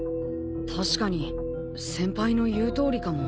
確かに先輩の言うとおりかも。